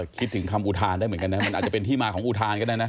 คิดถึงคำอุทานได้เหมือนกันนะมันอาจจะเป็นที่มาของอุทานก็ได้นะ